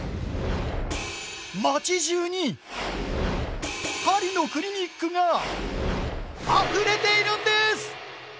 町じゅうに鍼のクリニックがあふれているんです！